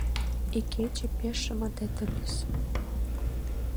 Икече пеш шыматет ыльыс...